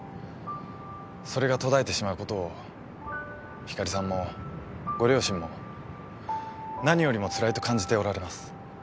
それが途絶えてしまうことをひかりさんもご両親も何よりもつらいと感じておられます。